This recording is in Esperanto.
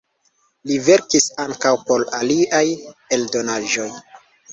Li verkis ankaŭ por aliaj eldonaĵoj.